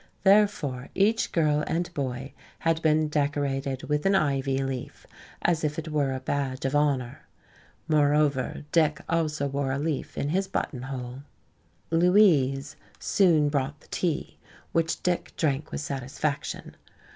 Therefore, each girl and boy had been decorated with an ivy leaf, as if it were a badge of honor. Moreover, Dick also wore a leaf in his buttonhole. "Louise" soon brought the tea, which Dick drank with satisfaction.